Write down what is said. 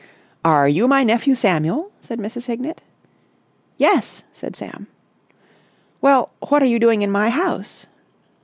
"Are you my nephew Samuel?" said Mrs. Hignett. "Yes," said Sam. "Well, what are you doing in my house?"